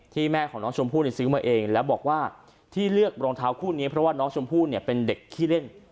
แม่ของน้องชมพู่ซื้อมาเองแล้วบอกว่าที่เลือกรองเท้าคู่นี้เพราะว่าน้องชมพู่เนี่ยเป็นเด็กขี้เล่น